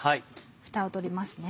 ふたを取りますね。